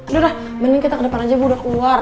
yaudah mending kita ke depan aja bu udah keluar